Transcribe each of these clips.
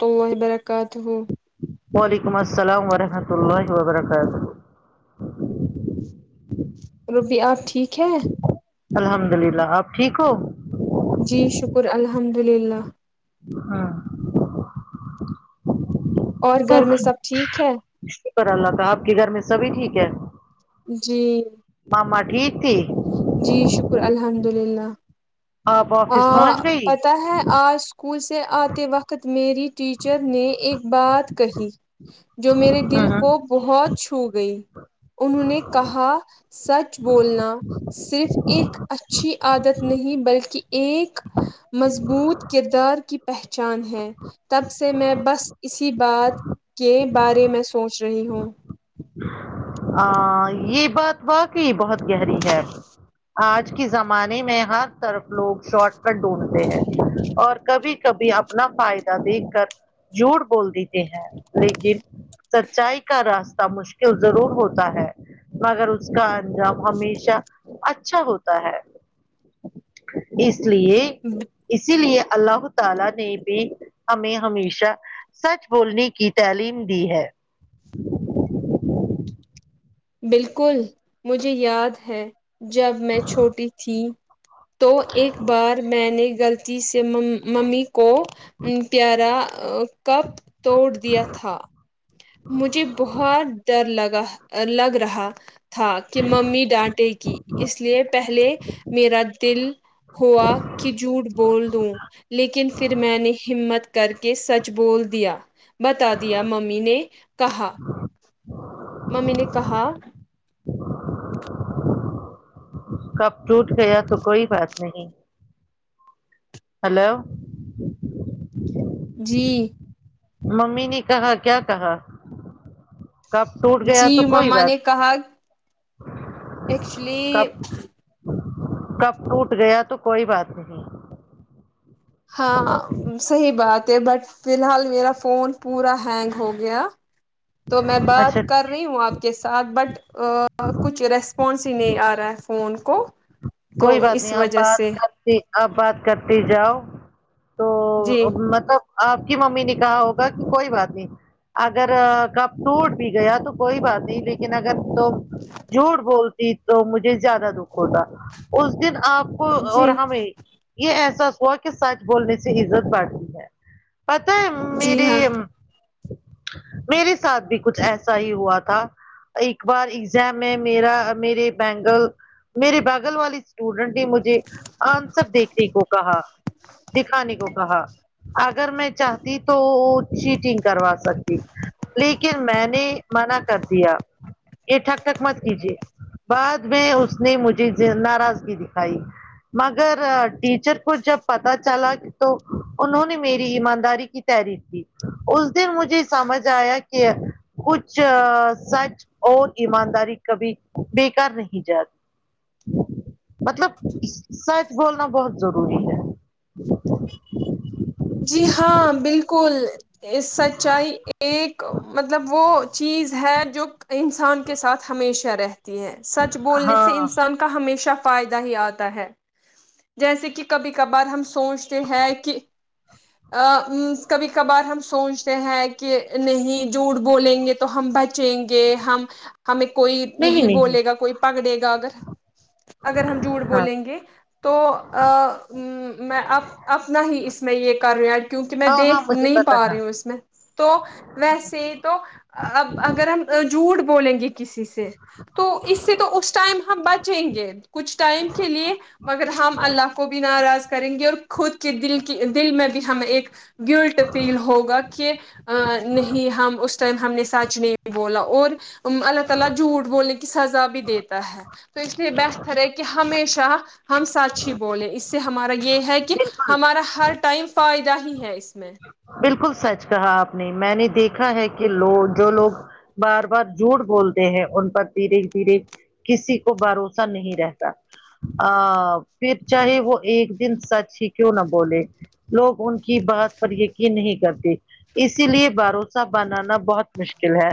تو برکاتہ وعلیکم السلام ورحمۃ اللہ وبرکاتہ روبیعہ آپ ٹھیک ہیں الحمد للہ آپ ٹھیک ہو جی شکر الحمد للہ ہاں اور تو گھر میں سب ٹھیک ہے شکر اللہ کا آپ کے گھر میں سبھی ٹھیک ہے جی مما ٹھیک تھی جی شکر الحمد للہ آپ آ آفس پہنچ گئی پتہ ہے آج اسکول سے آتے وقت میری ٹیچر نے ایک بات کہی جو میرے دل کو بہت چھو گئی انہوں نے کہا سچ بولنا صرف ایک اچھی عادت نہیں بلکی ایک مضبوط کردار کی پہچان ہے تب سے میں بس اسی بات کے بارے میں سوچ رہی ہوں آ یے بات واقعی بہت گہری ہے آج کے زمانے میں ہر طرف لوگ شارٹ کٹ ڈھونڈتے ہیں اور کبھی کبھی اپ نا فائدہ بھی دیکھ کر جھوٹ بول دیتے ہیں لیکن سچائی کا راستہ مشکل ضرور ہوتا ہے مگر اس کا انجام ہمیشہ اچھا ہوتا ہے اس لیے اسی لیے اللہ تعالی نے بھی ہمیں ہمیشہ سچ بولنے کی تعلیم دی ہے بالکل مجھے یاد ہے جب میں چھوٹی تھی تو ایک بار میں نے غلط تی م سے ممی کو پیارا کپ توڑ دیا تھا مجھے بہت ڈر لگا آ لگ رہا تھا کہ ممی ڈانٹے کی اس لیے پہلے میرا دل ہوا کی جھوٹ بول دوں لیکن پھر میں نے ہمت کر کے سچ بول دیا بتا دیا ممی نے کہا ممی نے کہا کب ٹوٹ گیا تو کوئی بات نہیں ہیلو جی ممی نے کہا کیا کہا کپ ٹوٹ گیا تو جی کوئی مما بات نے نہیں کہا ایکچولی کپ ٹوٹ گیا تو کوئی بات نہیں ہاں ہ صحیح بات ہے بٹ فی الحال میرا فون پورا ہینگ ہو گیا تو میں بات اچھا کر رہی ہوں آپ کے ساتھ بٹ ا کچھ ریسپانس نہیں آ رہا ہے فون کو تو کوئی بات اس نہیں آپ وجہ بات سے کرتی آپ بات کرتی جاؤ تو جی و مطلب آپ کی ممی نے کہا ہوگا کہ کوئی بات نہیں اگر کپ ٹوٹ بھی گیا تو کوئی بات نہیں لیکن اگر تم جھوٹ بولتی تو مجھے زیادہ دکھ ہوتا اس دن آپ کو اور جی ہمیں یہ احساس ہوا کہ سچ بولنے سے عزت بڑھتی ہے پتا ہے مہ جی میری ہاں میرے ساتھ بھی کچھ ایسا ہی ہوا تھا ایک بار ایگزام ہے میرا میرے بینگل میرے بغل والی اسٹوڈنٹ نے مجھے آنسر دیکھنے کو کہا دکھانے کو کہا اگر میں چاہتی تو چیٹنگ کروا سکتی لیکن میں نے منع کر دیا یہ ٹھک ٹھک مت کیجے بعد میں اس نے مجھے ناراضگی دکھائی مگر ٹیچر کو جب پتا چلا ا تو انہوں نے میری ایمانداری کی تعریف کی اس دن مجھے سمجھ آیا کہ کچھ ا سچ اور ایمانداری کبھی بےکار نہیں جاتی [inaudible] مطلب سچ بولنا بہت ضروری ہے جی ہاں بالکل سچائی ایک مہ مطلب وہ چیز ہے جو انسان کے ساتھ ہمیشہ رہتی ہے سچ بولنے سے ہاں انسان کا ہمیشہ فائدہ ہی آتا ہے جیسے کہ کبھی کبار ہم سوچتے ہیں کہ کبھی کبار ہم سوچتے ہیں کہ نہیں جھوٹ بولیں گے تو ہم بچ یں گے ہم ہمیں کوئی نہیں بولے گا کوئی پکڑے گا اگر اگر ہم جھوٹ ہاں بولیں گے تو ا مہ میں اب اپنا ہی اس میں یہ کر رہی ہیں کیونکہ میں ہاں ہاں دیکھ مجھے نہیں پتا پا ہے رہی ہوں اس میں تو ویسے ہی تو اب اگر ہم جھوٹ بولیں گے کسی سے تو اس سے تو اس ٹائم ہم بچیں گے کچھ ٹائم کے لیے مگر ہم اللہ کو بھی ناراض کریں گے اور خود کے دل کی دل میں بھی ہمیں ایک گلٹ فیل ہوگا کہ ا نہیں ہم اس ٹائم ہم نے سچ نہیں بولا اور اللہ تعالی جھوٹ بولنے کی سزا بھی دیتا ہے اس لیے بہتر ہے کہ ہمیشہ ہم سچ ہی بولیں اس سے ہمارا یہ ہے کہ بالکل ہمارا ہر ٹائم فائدہ ہی ہے اس میں بالکل سچ کہا آپ نے میں نے دیکھا ہے کہ لوڈ جو لوگ بار بار جھوٹ بولتے ہیں ان پر دھیرے دھیرے کسی کو بھروسہ نہیں رہتا ا پھر چاہے وہ ایک دن سچ ہی کیوں نہ بولے لوگ ان کی بات پر یقین نہیں کرتی اسی لیے بھروسہ بنانا بہت مشکل ہے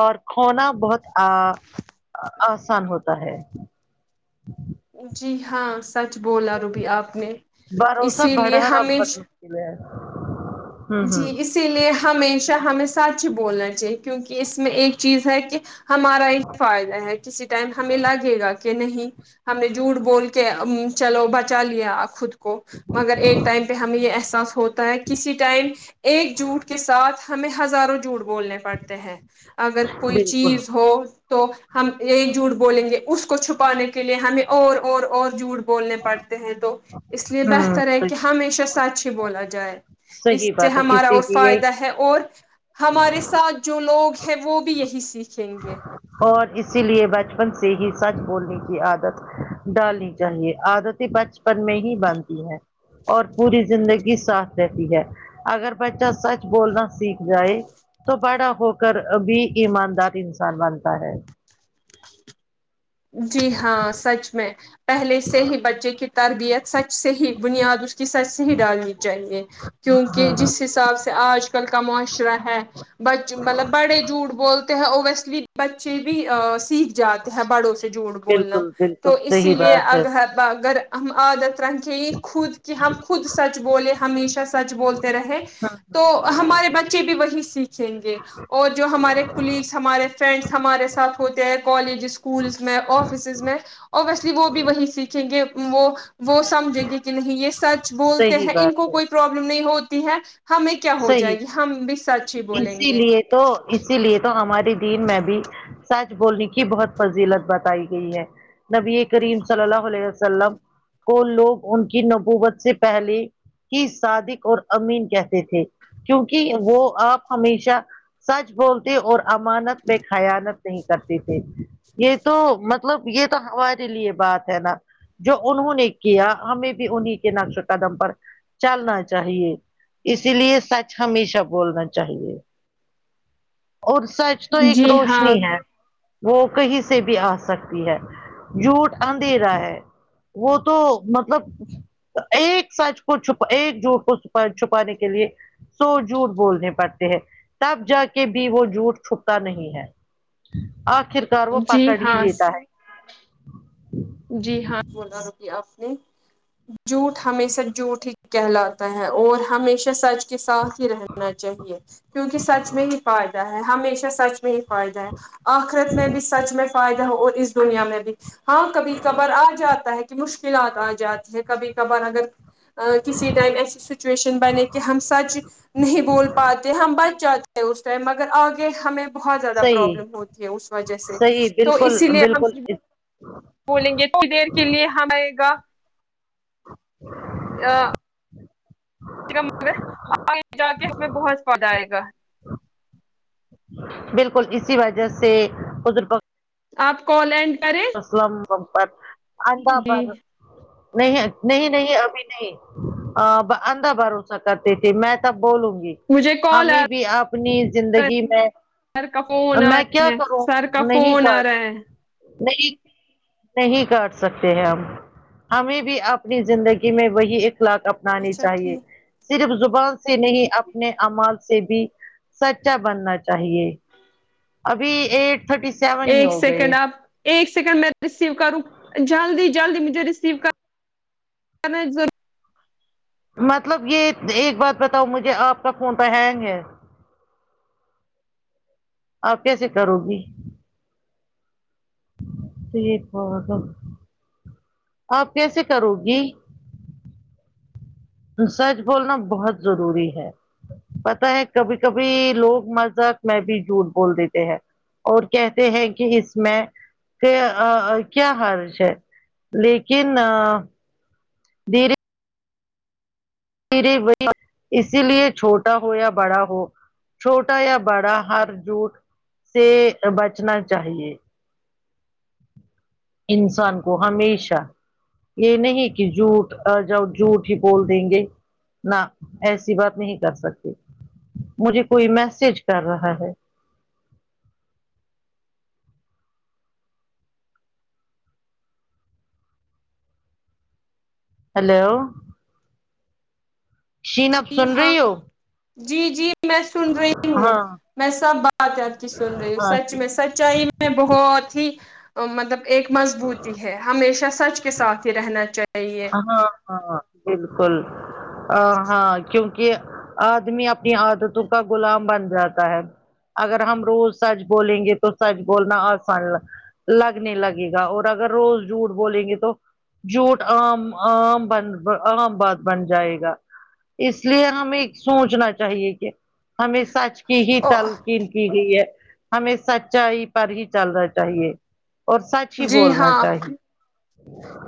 اور کھونا بہت آ آسان ہوتا ہے جی ہاں سچ بولا روبی آپ نے بھروسہ اسی لیے بڑھانا ہمیں بہت مشکل ہے ہوں جی ہوں اسی لیے ہمیشہ ہمیں سچ ہی بولنا چاہیے کیونکہ اس میں ایک چیز ہے کہ ہمارا یہ فائدہ ہے کسی ٹائم ہمیں لگے گا کہ نہیں ہم نے جھوٹ بول کے چلو بچا لیا خود کو مگر ایک ٹائم پہ ہمیں یہ احساس ہوتا ہے کسی ٹائم ایک جھوٹ کے ساتھ ہمیں ہزاروں جھوٹ بولنے پڑتے ہیں اگر کوئی بالکل چیز ہو تو ہم ایک جھوٹ بولیں گے اس کو چھپانے کے لیے ہمیں اور اور اور جوٹ بولنے پڑتے ہیں تو اس لیے ہوں بہتر ہے صحیح کہ ہمیشہ سچ ہی بولا جائے اس صحیح سے بات ہے ہمارا اسی اور لیے فائدہ ہے اور ہمارے ساتھ جو لوگ ہیں وہ بھی یہی سیکھیں گے اور اسی لیے بچپن سے ہی سچ بولنے کی عادت ڈالنی چاہیے عادتیں بچپن میں ہی بنتی ہے اور پوری زندگی ساتھ رہتی ہے اگر بچہ سچ بولنا سیکھ جائے تو بڑا ہو کر بھی ایماندار انسان بنتا ہے جی ہاں سچ میں پہلے سے ہی بچے کی تربیت سچ سے ہی بنیاد اس کہ سچ سے ہی ڈالنی چاہیے کیونکہ جس حساب سے آج کل کا معاشرہ ہے بچہ مطلب بڑے جھوٹ بولتے ہیں اور ویسلی بچے بھی سیکھ جاتے ہیں بڑوں سے جھوٹ بولنا بالکل تو بالکل اسی صحیح لیے بات ہے اگر ہم عادت رنگ ہی خود کہ ہم خود سچ بولے ہمیشہ سچ بولتے رہے تو ہمارے بچے بھی وہی سیکھ یں گے اور جو ہمارے کلیگس ہمارے فرینڈس ہمارے ساتھ ہوتے ہیں کالج اسکول میں آفسز میں ابویسلی وہ بھی وہی سیکھیں گے وہ وہ سمجھیں گے کہ نہیں یہ سچ بولتے صحیح ہیں ان بات ہے کوئی پروابلم نہیں ہوتی ہے ہمیں کیا ہو صحیح جائے گی ہم بھی سچ ہی بولیں اسی گے لیے تو اسی لیے تو ہمارے دین میں بھی سچ بولنے کی بہت فضیلت بتائی گئی ہے نبی کریم صلی اللہ علیہ وسلم کو لوگ ان کی نبوبت سے پہلے کی صادق اور امین کہتے تھے کیونکہ وہ آپ ہمیشہ سچ بولتے اور امانت میں خیانت نہیں کرتی تھے یہ تو مطلب یہ تو ہمارے لیے بات ہے نا جو انہوں نے کیا ہمیں بھی انہی کے نقش قدم پر چلنا چاہیے اسی لیے سچ ہمیشہ بولنا چاہیے اور سچ تو ایک جی ہاں روشنی ہے وہ کہیں سے بھی آ سکتی ہے جوٹ اندھیرا ہے وہ تو مطلب ایک سچ کو چپا ایک جھوٹ کو چپا چھپانے کے لیے سو جھوٹ بولنے پڑتے ہیں تب جا کے بھی وہ جھوٹ چھپتا نہیں ہے آخر کار وہ جی پکڑ ہی ہاں لیتا ہے جی ہاں بلا آپ نے جھوٹ ہمیشہ جھوٹ ہی کہلاتا ہے اور ہمیشہ سچ کے ساتھ ہی رہنا چاہیے کیونکہ سچ میں ہی فائدہ ہے ہمیشہ سچ میں ہی فائدہ ہے آخرت میں بھی سچ میں فائدہ ہو اور اس دنیا میں بھی ہاں کبھی کبھار آ جاتا ہے کہ مشکلات آ جاتی ہے کبھی کبھار اگر کسی ٹائم ایسی سچویشن بنے کہ ہم سچ نہیں بول پاتے ہم بچ جاتے اس ٹائم اگر آگے ہمیں بہت زیادہ صحیح پروابلم ہوتی ہے اس وجہ سے تو اسی لیے ہم صرف ہاں بولیں گے تھنی دیر کے لیے ہم آئے گا ا مگر آگے جا کے اس میں بہت پدہ آئے گا بالکل اسی وجہ سے حر آپ کوال اینڈ کریں اسلم پر آڈا جی پر نہیں نہیں نہیں ابھی نہیں ا اندا بھروسہ کرتے تھے میں تب بولوں گی مجھے کال ہمیں آ بھی اپنی زندگی میں رہا ہے، سر کا فون آ میں کیا رہا ہے کروں سر کا نہیں فون کر آ رہا ہے نہیں نہیں کاٹ سکتے ہیں ہم ہمیں بھی اپنی زندگی میں وہی اخلاق نانے اچھا چاہیے ٹھیک صرف زبان سے نہیں اپنے امال سے بھی سچا بننا چاہیے ابھی ایٹ تھرٹی سیون ہی ایک ہو گئے سیکنڈ آپ ایک سیکنڈ میں ریسیو کروں جلدی جلدی مجھے ریسیو کر [unintelligible] مطلب یہ ایک بات بتاؤ مجھے آپ کا فون تو ہینگ ہے آپ کیسے کرو گی یک آپ کیسے کرو گی سچ بولنا بہت ضروری ہے پتا ہے کبھی کبھی لوگ مذہق میں بھی جھوٹ بول دیتے ہیں اور کہتے ہیں کہ اس میں کیا حرض ہے لیکن دھیر ے وہ اسی لیے چھوٹا ہو یا بڑا ہو چھوٹا یا بڑا ہر جوٹ سے بچنا چاہیے انسان کو ہمیشہ یہ نہیں کہ جھوٹ جؤ جھوٹ ہی بول دیں گے نہ ایسی بات نہیں کر سکتے مجھے کوئی میسج کر رہا ہے ہیلو شینب جی سن ہاں رہی ہو جی جی میں سن رہی ہوں ہاں میں سب بات آد کی سن رہی ہوں ہاں سچ میں سچ آئی میں بہت ہی مطلب ایک مضبوطی ہے ہمیشہ سچ کے ساتھ ہی رہنا چاہیے ہاں ہاں بالکل ا ہاں کیونکہ آدمی اپنی عادتوں کا غلام بن جاتا ہے اگر ہم روز سچ بولیں گے تو سچ بولنا آسان لگنے لگے گا اور اگر روز جوٹ بولیں گے تو جوٹ عام عام بن عام بات بن جائے گا اس لیے ہمیں سوچنا چاہیے کہ ہمیں سچ کی ہی او تلقین کی ہوئی ہے ہمیں سچائی پر ہی چلنا چاہیے اور سچ ہی جی بولنا ہاں چاہیے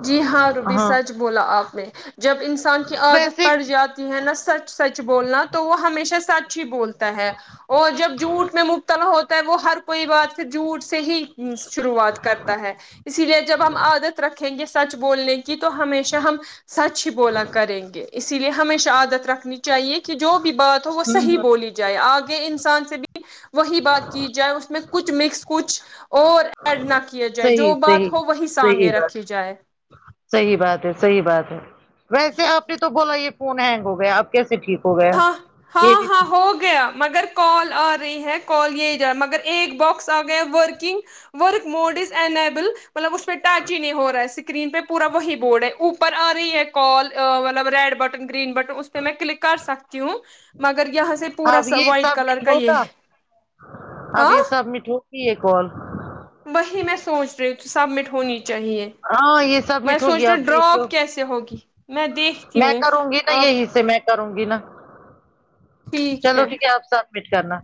جی ہاں ربی سچ بولا آپ نے جب انسان کی عادت ویسے پڑ جات ہے نا سچ سچ بولنا تو وہ ہمیشہ سچ ہی بولتے ہے اور جب جوٹ میں مبتلا ہوتا ہے وہ ہر کوئی بات پ جوٹ سے ہی شروعات کرتا ہے اسی لیے جب ہم عادت رکھیں گے سچ بولنے کی کہ تو ہمیشہ ہم سچ ہی بولا کریں گے اسی لیے ہمیشہ عادت رکھنی چاہیے کہ جو بھی بات ہو وہ ہوں صحیح ہوں بولی جائے آگے انسان سے بھی وہی بات کی جائے اس میں کچھ مکس کچھ اور ایڈ نہ کیا جائے جو صحیح صحیح بات ہو وہی صحیح سامنے بات رکھی جائے صحیح بات ہے صحیح بات ہے ویسے آپ نے تو بولا یہ فون ہینگ ہو گیا آپ کیسے ٹھیک ہو گیا ہاں یہ ہاں بھی ہاں ہو گیا مگر کال آ رہی ہے کال یہ جا مگر ایک باکس آ گیا working work mode is enable مطلب اس پہ اٹیچ ہی نہیں ہو رہا ہے اس کرین پہ پورا وہی بورڈ ہے اوپر آ رہی ہے کال ا مطلب ریڈ بٹن گرین بٹن اس پہ میں کلک کر سکتی ہوں مگر یہاں سے پورا اب س یہ وائٹ کلر سبمٹ کا یہ ہوگا ہے اب ہاں یہ سبمٹ ہوگی یے کل وہی میں سوچ رہی ہوں سبمت ہونی چاہیے ہاں یہ میں سبمٹ ہوگی سوچ رہی آپ ہوں دیکھ لو ڈراپ کیسے ہوگی میں دیکھتی میں ہوں کروں گی نا آپ یہیں سے میں کروں گی نا چلو ٹھیک ہے آپ سبمٹ کرنا